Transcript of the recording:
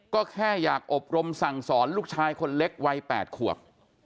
ก็แค่อยากอบรมสั่งสอนลูกชายคนเล็กวัย๘ขวบ